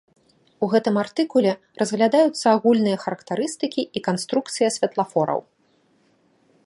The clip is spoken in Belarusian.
У гэтым артыкуле разглядаюцца агульныя характарыстыкі і канструкцыя святлафораў.